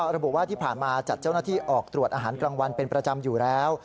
ระบุว่าที่ผ่านมาจัดเจ้าหน้าที่ออกตรวจอาหารกลางวันเป็นประจำอยู่แล้ว